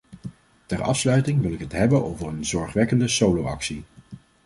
Ter afsluiting wil ik het hebben over een zorgwekkende solo-actie.